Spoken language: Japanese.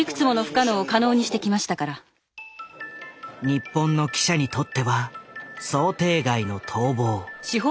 日本の記者にとっては想定外の逃亡。